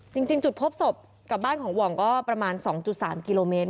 จริงจุดพบศพกับบ้านของหว่องก็ประมาณ๒๓กิโลเมตร